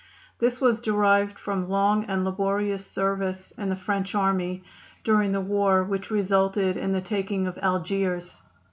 This was derived from long and laborious service in the French army during the war which resulted in the taking of Algiers.